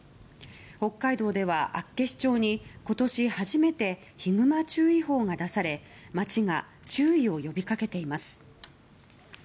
北海道では厚岸町に今年初めてヒグマ注意報が出され町が注意を呼びかけています。